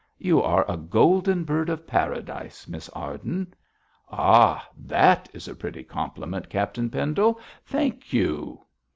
'You are a golden bird of paradise, Miss Arden.' 'Ah, that is a pretty compliment, Captain Pendle. Thank you!'